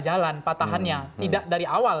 jalan patahannya tidak dari awal